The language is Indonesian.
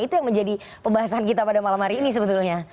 itu yang menjadi pembahasan kita pada malam hari ini sebetulnya